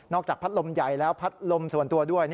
จากพัดลมใหญ่แล้วพัดลมส่วนตัวด้วย